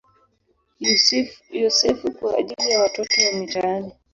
Yosefu" kwa ajili ya watoto wa mitaani.